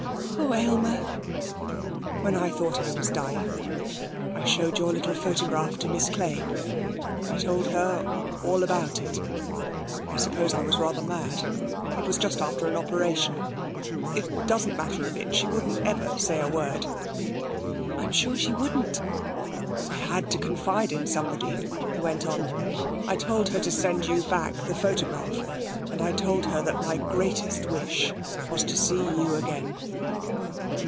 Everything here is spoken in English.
'Oh, Aylmer!' 'When I thought I was dying I showed your little photograph to Miss Clay. I told her all about it. I suppose I was rather mad. It was just after an operation. It doesn't matter a bit; she wouldn't ever say a word.' 'I'm sure she wouldn't.' 'I had to confide in somebody,' he went on. 'I told her to send you back the photograph, and I told her that my greatest wish was to see you again.'